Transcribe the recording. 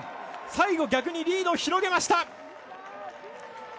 最後、逆にリードを広げました。